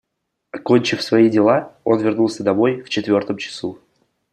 Окончив свои дела, он вернулся домой в четвертом часу.